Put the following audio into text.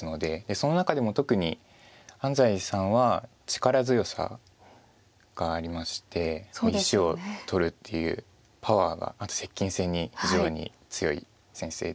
その中でも特に安斎さんは力強さがありまして石を取るっていうパワーがあと接近戦に非常に強い先生で。